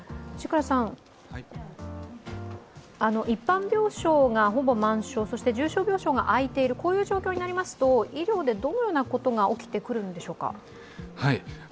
一般病床がほぼ満床、重症病床があいている、こういう状況になりますと医療でどういうことが起きてくるんでしょうか。